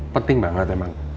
penting banget emang